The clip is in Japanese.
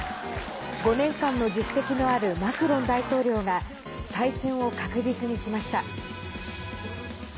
５年間の実績のあるマクロン大統領が再選を確実にしました。